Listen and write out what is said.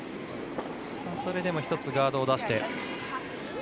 それでも１つガードを出して。